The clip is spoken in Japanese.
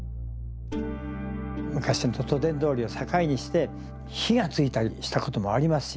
昔の都電通りを境にして火がついたりしたこともありますしね。